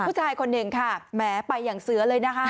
ผู้ชายคนหนึ่งค่ะแหมไปอย่างเสือเลยนะคะ